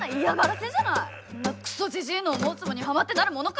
そんなクソじじいの思うつぼにはまってなるものか！